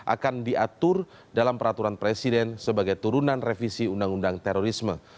akan diatur dalam peraturan presiden sebagai turunan revisi undang undang terorisme